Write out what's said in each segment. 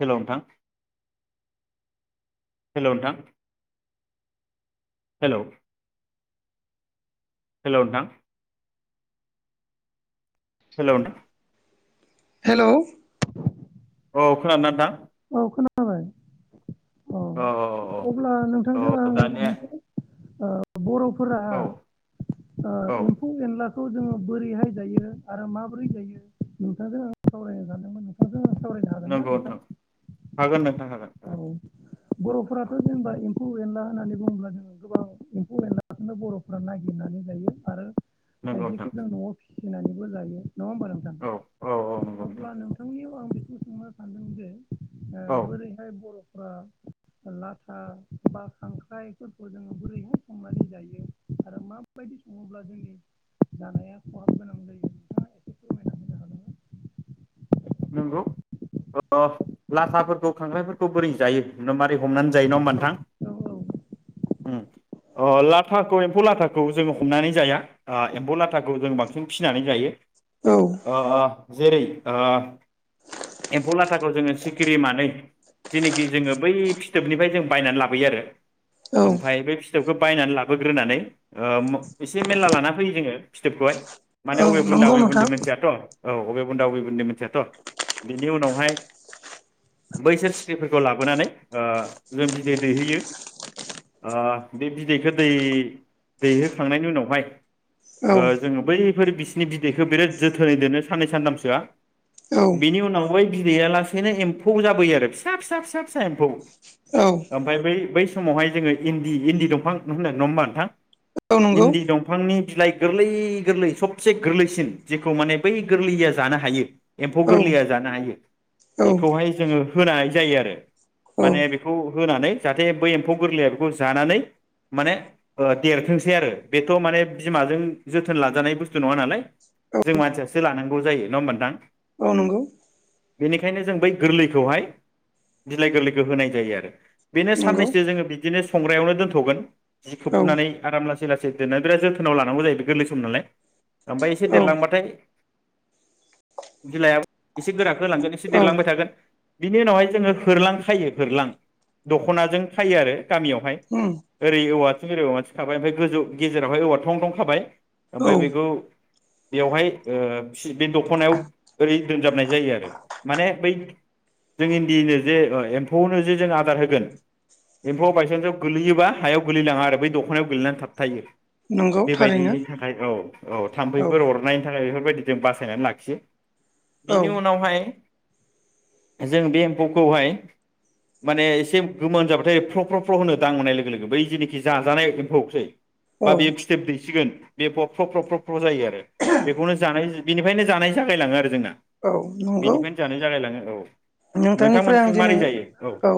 Hello नोंथां hello नोंथां hello hello नोंथां हेलौ नोंथां हेलौ औ खोनादोंना नोंथां? औ खोनाबाय। औ अब्ला औ नोंथांजों आं औ दानिया मोनसे ओ बर' फोरा औ ओ औ एम्फौ एनला खौ जोङो बोरैहाय जायो आरो माबोरै जायो? नोंथांजों आं सावरायनो सानदोंमोन नोंथांजों आं सावरायनो‌ हागोन ना नोंथां? हागोन नोंथां हागोन औ हागोन बर'फोराथ' औ जेनेबा एम्फौ एनला होननानै बुङोब्ला जों गोबां एम्फौ एनलाखौनो बर'फ्रा नागिरनानै जायो आरो नंगौ नोंथां खायसेखौ जों न'आव फि फिनानैबो जायो। नङा होमबा नोंथां औ औ औ नंगौ नोंथां अब्ला नोंथांनियाव आं बेखौनो सोंनो सानदों जे ओ औ बोरैहाय बर' फ्रा लाथा बा खांख्राइफोरखौ जोङो बोरैहाय संनानै जायो आरो माबायदि सङोब्ला जोंनि जानाया खहाब गोनां जायो नोंथाङा एसे फोरमायना होनो हागोन ना? नंगौ ओ लाथाफोरखौ खांख्रायफोरखौ बोरै जायो मारै हमनानै जायो नङा मोनथां हागोन ना? उम ओ लाथाखौ एम्फौ लाथाखौ जोङो हमनानै जाया ओ एम्फौ लाथाखौ जों बांसिन फिसिनानै जायो। औ अ अ जेरै ओ एम्फौ लाथाखौ जोङो सिखिरि मानै जेनेखि जोङो बै फिथोबनिफ्राय जों बायनानै लाबोयो आरो औ ओमफ्राय बे फिथोबखौ बायनानै लाबोग्रोनानै ओ एसे मेरला लाना फैयो जोङो फिथोबखौहाय। माने औ अबे बुन्दा नंगौ बबे बुन्दि नोंथां मोनथियाथ'। औ अबे बुन्दा अबे बुन्दि मोनथियाथ'। बिनि उनावहाय बैसोर सिख्रिफोरखौ लाबोनानै ओ जों बिदै दैहोयो ओ बे बिदैखौ दै दैहोखांनायनि उनावहाय औ ओ जोङो बै फोर बिसिनि बिदैखौ बिराद जोथोनै दोनो साननै सानथामसोआ। औ बिनि उनाव बै बिदैया लासेैनो एम्फौ जाबोयो आरो फिसा फिसा फिसा फिसा एम्फौ औ ओमफ्राय बै बै समावहाय जोङो इन्दि इन्दि दंफां होनो नङा होमबा नोंथां औ नंगौ इन्दि दंफांनि बिलाइ गोरलै गोरलै सबसे गोरलैसिन जेखौ माने बै गोरलैया जानो हायो। एम्फौ औ गोरलैया जानो हायो औ बेखौहाय जोङो होनाय जायो आरो औ माने बेखौ होनानै जाहाथे बै एम्फौ गोरलैया बेखौ जानानै माने ओ देरथोंसै आरो बेथ' माने बिमाजों जोथोन लाजानाय बुस्थु नङा नालाय जों मानसियासो लानांगौ जायो नङा होमबा नोंथां? औ नंगौ। बेनिखायनो जों बै गोरलैखौहाय बिलाइ गोरलैखौ होनाय जायो आरो। बेनो नंगौ साननैसो जोङो बि दिनो संग्रायावनो दोनथ'गोन। जि औ खोबनानै आराम लासे सै लासै दोननानै बिराद जोथोन लानांगौ जायो गोरलै सम नालाय। ओमफ्राय एसे औ देरलांबाथाय बिलाइया एसे गोरा होलांगोन एसे औ देरलांबाय थागोन। बिनि उनावहाय जोङो फोरलां खायो फोरलां दख'नाजों खायो आरो। गामियावहाय उम ओरै औ। एरियाव मानसि खाबाय ओमफ्राय गोजौ गेजेरावहाय औवा थं थं खाबाय औ ओमफ्राय बेखौ बेवहाय बे दख'नायाव ओरै दोनजाबनाय जायो आरो माने बै जों इन्दिनो जे एम्फौआवनो जे जों आदार होगोन एम्फौआव बायसान्सआव गोगलैयोबा हायाव गोलैनाङा आरो बै दख'नायाव गोलैनानै थाबथायो। नंगौ थारैनो बेबायदिनि थाखाय औ औ औ थाम्फैफोर अरनाय थाखाय बे [unintelligible] बासायना लाखियो। औ बिनि उनावहाय जों बे एम्फौखौहाय माने एसे गोमोन जाबाथाय फ्ल फ्ल फ्ल होनो दां मोननाय लोगो लोगो बै जेनोखि जाजानाय एम्फौसै औ बाबे फिथोब दैसिगोन बे फ्र फ्र फ्र फ्र फ्र जायो आरो बेखौनो जानाय बेनिफ्रायनो जानाय जाग यैलाङो आरो जोंना। औ नंगौ बेनिफ्रायनो जानाय जालायलाङो औ। नोंथांनिफ्राय आं नोंथांमोनथिं मारै दिनै जायो औ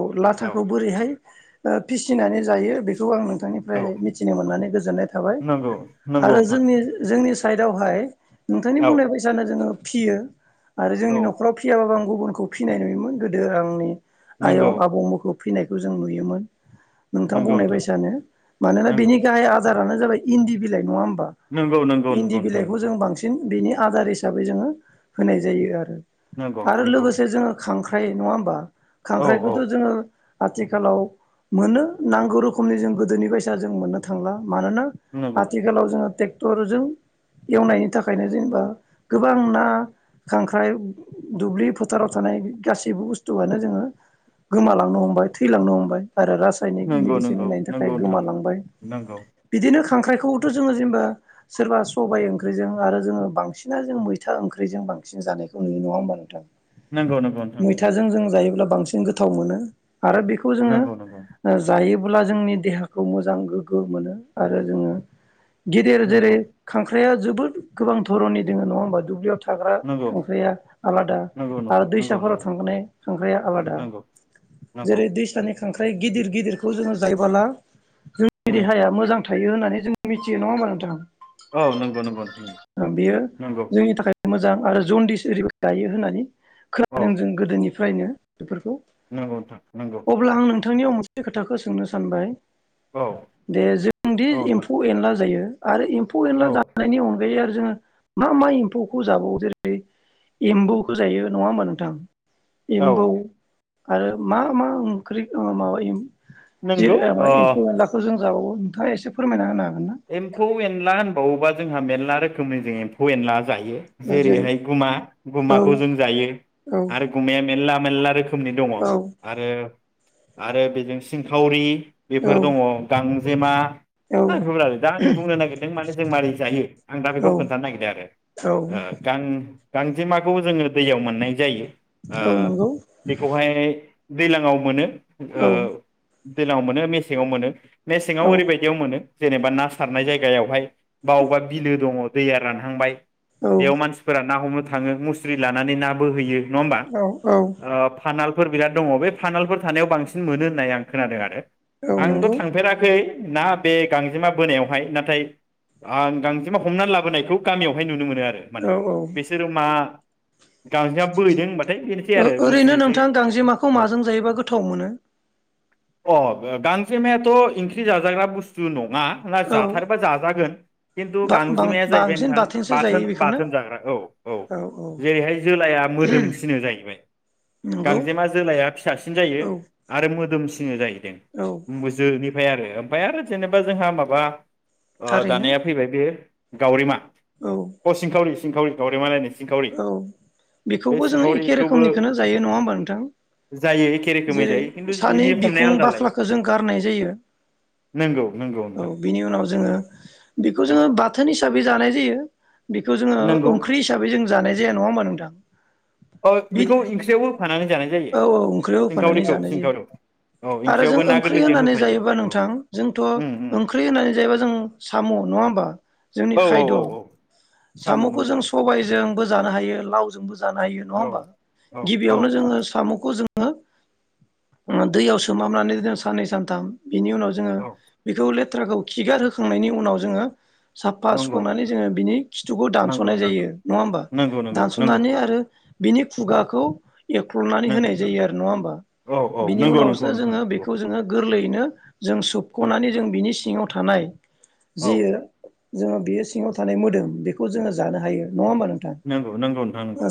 औ लाथाखौ बोरैहाय ओ फिसिनानै जायो बेखौ आंनो औ थांनिफ्राय मिथिनो मोननानै गोजोननाय थाबाय नंगौ नंगौ आरो नोंथां जोंनि जों नि साइदआवहाय नोंथांनि औ बुंनाय बैसानो जोङो फिसियो। आरो जोंनि औ नख'राव फिसियाबाबो आं गुबुन फिसिनाय नुयोमोन गोदो आंनि आयं नंगौ आबौ मुखुब फैसिनायखौ जों नुयोमोन। नोंथां बुंनाय बायसानो मानोना नंगौ बिनि गाहाय आजार आनो जाबाय इन्दि बिलाइ नङा ओम नंगौ नंगौ नंगौ इन्दि नोंथां बिलाइखौ जों बांसिन बेनि आदार हिसाबै जोङो होनाय जायो आरो। नंगौ आरो नंगौ। लोगोसे जोङो खांख्राइ नङा होमबा? औ औ खांख्राइखौथ' जोङो आथिखालाव मोनो नांगौ रोखोमनि जों गोदोनि बायसा जों मोननो थांला। मानोना नंगौ आथिखालाव जोङो टेक टरजों एवनायनि थाखायनो जेनेबा गोबां ना खांख्राइ दुब्लि फोथ फोथाराव थानाय गासैबो बुस्थुआनो जोङो गोमालांनो हमबाय थैलांनो हमबाय। आरो रासायनिक नंगौ मेडिसिन नंगौ होनायनि थाखाय नंगौ नोंथां गोमालांबाय नंगौ बिदिनो खांख्राइखौथ' जोङो जेनेबा सोरबा सबाय ओंख्रिजों आरो जोङो बांसिन जों मैथा ओंख्रिजों बांसिन जानायखौ नुयो नङा होमबा नोंथां? नंगौ नंगौ नोंथां मैथाजों जों जायोब्ला बांसिन गोथाव मोनो। आरो बेखौ जोङो नंगौ नंगौ ओ जायो अब्ला जोंनि देहाखौ मोजां गोग्गो मोनो आरो जोङो गेदेर जेरै नंगौ नंगौ खांखा फ्राया जोबोद गोबां दरननि दङ नङा होमा दुब्लियाव थाग्रा नंगौ खांख्रिइया आलादा नंगौ आरो नोंथां नंगौ दैसाफोराव नंगौ थांनाय खांख्राइया आलादा नंगौ नंगौ जेरै दैसानि खांख्राइ गिदिर गिदिरखौ जोङो जायोबोला जोंनि उम देहाया मोजां थायो होननानै जों मिथियो नङा होमबा नोंथां। औ नंगौ नंगौ नोंथां बेयो नंगौ जोंनि थाखाय मोजां आरो जन्दिस ओरैबायदि गायो होननानै औ खोनादों जों गोदोनि फ्रायनो बेफोरखौ नंगौ नोंथां नंगौ अब्ला आं नों नोंथांनियाव मोनसे खोथाखौ सोंनो सानबाय औ दे जोंदि औ नोंथां एम्फौ एनला जायो आरो इउ एमफौ औ एनला जानायनि अन बै आरो जोङो मा मा एम्फौखौ जाबावो जेरै एम्बौखौ जायो नङा होमबा नोंथां औ एमबौ आरो मा मा ओंख्रि ओं माबायोेि जिर नंगौ एबा ओ एमफौ एनलाखौ जों जाबावौ नोंथाङा एसे फोरमायना होना एम्फौ एनला होन बावबाज जोंहा मेरला रोखोम जों एफौ एनला जायो ओ जेरै जेरैहाय गुमा औ गुमाखौ जों जायो औ आरो गुमाया मेलला मे ल ला रोखोम रोखोमनि दङ औ आरो आरो बेजों सिंखावरि औ बेफोर दङ गां जेमा औ रलाय आं बुंनो नागिरदों नों मानो जों मारौ जायो आं दा बेखौ औ खोन्थानो नागिरदों आरो गान गांजेमाखौ जोङो दैयाव मोननाय जायो आ औ नंगौ बेखौहाय दैज्लाङाव मोनो औ दैज्लंआव मोनो मेसेङाव मोनो औ मेसेङाव ओरैबायदियाव मोनो जेनेबा नास सारनाय जायगायावहाय बावबा बिलो दङ। दैया रानहांबाय औ बेयाव मानसिफोरानो ना हमनो थाङो मुस्रि लानानै ना बोहैयो नङा होमबा औ औ ओ फानाल फोर बिराद दङ बे फानलफोर थानायाव बांसिन मोनो होननानै आं खोनादों आरो औ आंथ' नंगौ थांफेराखै ना बे गांजेमा बोनायाव नाथाय आं गांजेमा हमनानै लाबोनायखौ गामियावहाय नुनो मोनो। आरो माने बिसोरो मा गांजेमा बोहैदों होनबाथाय बेनोसै आरो ओ-ओरैनो मुस्रि जे नोंथां गांजेमाखौ औ माजों जायोबा गोथाव मोनो। अ गांजेमायाथ' ओंख्रि जाजाग्रा बुस्थु नङा साला औ जाथारोबा जागोन खिनथु गांजेमाया जाहैबाय बांसिन नोंथां बाथोनसो जायो बाथोन बेखौनो बाथान जाग्रा औ औ जेरैहाय जोलाया मोदोमसिनो जाहैबाय नंगौ गांजेमा जोलाया फिसासिन जायो औ आरो मोदोम सि जोङो जायो औ [unintelligible] ओमफाय आरो ओमफाय आरो जेनेबा जोंहा मा बा अ थारैनो दानाया फैबाय बेयो गावरिमा औ अ सिंखावरि सिंखावरि गावरेमालायनो औ बेखौबो जों एखे सिंखावरिखौबो रोखोमनिखौनो जायो नङा होमबा नोंथां जायो एखे रोखोमै जेरै जायो खिन्थु सानि बेनि हमनाया बिखुं आलदालाय बाख्लाखौ जों गारनाय जायो नंगौ नंगौ औ नोंथां बेनि उनाव जोङो नंगौ बेखौ औ जोङो बाथोन हिसाबै जानाय जायो। [unintelligible] बेखौ जोङो नंगौ ओंख्रि हिसाबै जोङो जानाय जाया नङा होमबा नोंथां? अ बिदि बेखौ ओंख्रियावबो होफानानै जानाय जायो औ औ ओंख्रियाव होफानानै सिंखावरिखौ जानाय जायो सिंखावरिखौ औ आरो जों ओंख्रियावबो ना ओंख्रि गोरलैजों होनानै होफायो जायोबा औ नोंथां जोंथ' उम उम ओंख्रि होनानै जायोबा जों साम' नङा होमबा? जोंनि औ खायद' औ औ साम' साम'खौ नंगौ जों सबायजों बो जानो हायो लावजोंबो ज जानो हायो नङा औ ओमबा औ औ गिबियावनो जोंङो साम'खौ जों ङो ओ दैयाव सोमहाबनानै जों साननै सानथाम बिनि उनाव जोङो औ बेखौ लेट थ्राखौ खिगार होखांनायनि उनाव जोङो साफा नंगौ सुखांनानै जोङो बिनि खिथुखौ नंगौ दानस'नाय नोंथां जायो नङा होमबा? नंगौ नंगौ नंगौ दानस'नानै आरो बिनि खुगाखौ एख्ल'नानै नंगौ होनाय जायो आरो नङा होमबा औ औ बिनि नंगौ उनावसो नंगौ नोंथां जोङो नंगौ बेखौ जोङो गोरलै बिनो जों औ सोबख'नानै जों बिनि सिङाव थानाय औ जियो जोङो बेयो सिङाव थानाय मोदोम बेखौ जोङो जानो हायो नङा ओमबा नों नंगौ नंगौ नोंथां नंगौ।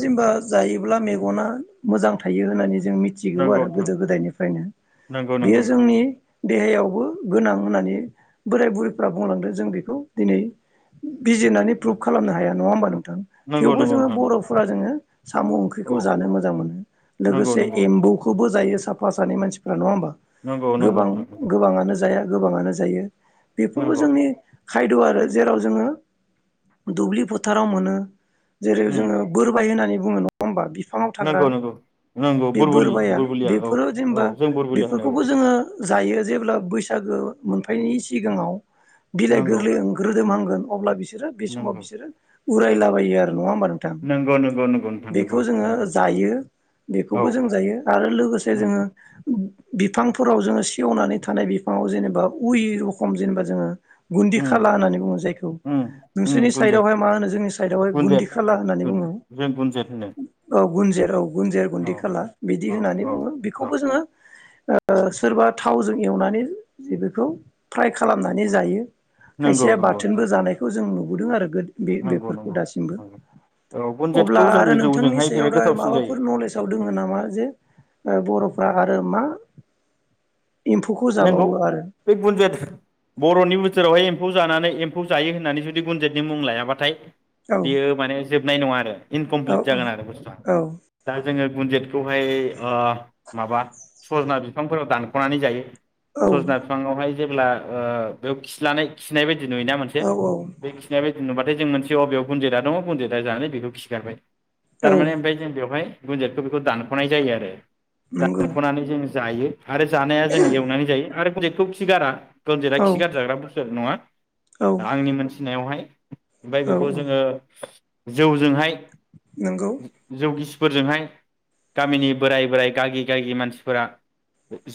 जेनबा जायोब्ला मेगना मोजां थायो होननानै जों मिथिगौ नंगौ आरो नोंथां गोदो गोदायनिफ्रायनो बेयो जोंनि देहायावबो गोनां होननानै बोराय बुरैफ्रा बुंलांदो जों बेखौ दिनै बिजिरनानै प्रुभ खालामनो हाया नङा होमबा नोंथां? नंगौ थेवबो नंगौ जोङो नोंथां नंगौ नोंथां नंगौ बर'फोरा जोङो साम' औ ओंख्रिखौ जानो मोजां मोनो नंगौ लोगोसे नंगौ नोंथां एम्बुखौबो जायो साफ फा सानै मानसिफोरा नङा होमबा? नंगौ नंगौ गोबां नोंथां नंगौ गोबाङानो जाया। गोबाङानो जायो। बेफोरबो नंगौ जोंनि खायद' आरो जेराव जोङो दुब्लि फोथाराव मोनो। जेरै उम जोङो बोरबाय होननानै बुङो नङा होमबा बि फाङाव थाग्रा नंगौ नंगौ नंगौ बे बुरबुलि बोरबाया बुरबुलिया औ बेफोरो जेनेबा औ जों बुरबुलिया होनो बेफोरखौबो औ जोङो जायो जेब्ला बैसागो मोनफैनायनि सिगाङाव बिलाइ नंगौ गोरलै ओं रोदोमहांगोन। अब्ला बि सोरो बे समाव नंगौ बिसोरो उरायलां बायो आरो नङा होमबा नोंथां। नंगौ नंगौ नंगौ नोंथां बेखौ नंगौ जोङो नंगौ जायो। औ बेखौबो जों जायो आरो लोगोसे उम जोङो बिफांफोराव जोङो सेवनानै थानाय बिफाङाव जेनेबा उइ रखम जेनेबा जोङो गुन्दि उम खाला होननानै बुङो जायखौ उम नोंसोरनि उम गुनजेत साइदआवहाय मा होनो जोंनि [unintelligible] गुन्दि गुनजेत खाला होननानै बुङो। जों गुनजेत होनो औ गुनजेर औ। गुुनजेर गुन्दि औ खाला बिदि औ होननानै औ बुङो। औ बेखौबो जोङो ओ सोरबा थावजों एवनानै जे बेखौ फ्राय खालामनानै जायो। नंगौ खायसेया नंगौ नोंथां बाथोनबो जानायखौ जों नुदों आरो गो बे नंगौ बेफोर। नंगौ नंगौ औ दासिमबो अब्ला गुनजेतखौ जों आरो नोंथांनि जौजोंहाय सायाव बिराद दा गोथावसिन जायो माबाफोर नलेजाव दङ नामा जे बर'फ्रा आरो मा एम्फौखौ नोंगौ जाबावो आरो बे गुनजेत बर'नि बिथोरावहाय एम्फौ जानानै एम्फौ जायो होननानै जुदि गुनजेतनि मुं लायाबाथाय औ बियो माने जोबनाय नङा आरो इनकमप्लिट जागोन औ आरो बुस्थुआ। औ दा जोङो गुनजेतखौहाय ओ माबा सजना बिफांफोराव दानख'नानै जायो। औ सज'ना फिफांआवहाय जेब्ला ओ बेयाव खिलानाय खिनाय बाय दि नुयोना मोनसे औ बे खिनाय बाय दि जों नुबाथाय जों मोनिय' अबेयाव गुनजेदा दं गुुनजेदा जानानै बेखौ खिगारबाय। औ थारमाने औ ओमफ्राय जों बेवहाय गुनजेतखौ बेखौ दानखनाय जायो आरो नंगौ दानखनानै जों जायो। आरो जानाया जों एवनानै आरो गुनजेरखौ जों खि गारा गुनजेता खि गारजाग्रा बुस्थु नङा। औ दा आंनि मोन्थिनायावहाय [inaudible] ओमफ्राय बेखौ जोंङो जौ जोंहाय नंगौ जौ गिसि फोरजोंहाय गामिनि बोराय-बोराय गागि-गागि मानसिफोरा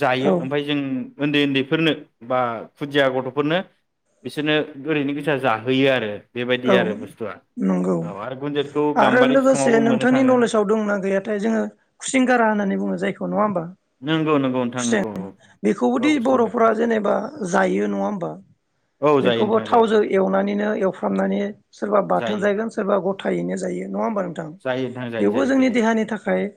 जायो औ ओमफ्राय जों उन्दै-उन्दैफोरनो बा खुदिया गथ'फोरनो बिसोरनो ओरैनो गोजा जाहोयो आरो। बेबायदि औ आरो बुस्थुआ नंगौ औ आरो गुन्जेतखौ आरो गाम्बारि लोगोसे बिफाङावबो मोननो नोंथांनि थाङो नलेजाव दंना गैयाथाय जोंङो खुसेंग्रा होननानै बुङो जायखौ नङा होमबा नंगौ नंगौ नोंथां खुसें नंगौ बेखौ औ औ बेखौबोदि खुसेंग्रा बर'फ्रा जेनेबा जायो नङा होमबा औ जायो बेखौबो नोंथां जायो थावजों एवनानैनो एव फ्रामनानै सोरबा जायो बाथोन जागोन सोरबा ग थायैनो जायो नङा होमबा नोंथां जायो नोंथां जायो बेबो जायो जोंनि जायो देहानि थाखाय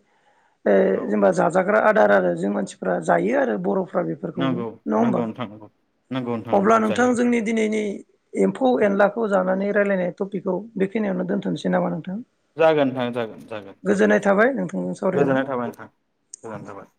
औ जेनेबा जाजाग्रा आ दार आरो जों मानसिफ्रा जायो आरो बर' फोरा बेफोरखौबो नंगौ नङा नंगौ होनबा नोंथां नंगौ नंगौ नोंथां अब्ला नंगौ नोंथां जायो जोंनि दिनैनि एमफौ एनला जानानै रायलायनाय टपिकखौ बेखिनियावनो दोनथनोसै नामा नोंथां जागोन नोंथां जागोन जागोन जागोन गोजोननाय थाबाय नोंथांजों सावरायना गोजोननाय थाबाय नोंथां गोजोननाय थाबाय